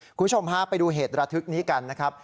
คุณผู้ชมฮะไปดูเหตุระทึกนี้กันนะครับ